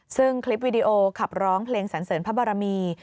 ซึ่งคลิปวิดีโอขับร้องเพลงสันเสริญพระบรมี